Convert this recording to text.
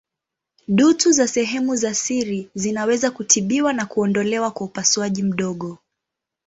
Dutu za sehemu za siri zinaweza kutibiwa na kuondolewa kwa upasuaji mdogo.